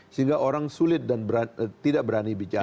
sehingga orang sulit dan tidak berani bicara